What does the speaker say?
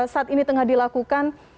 saat ini tengah dilakukan